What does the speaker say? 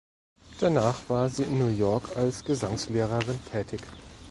Danach war sie in New York als Gesangslehrerin tätig.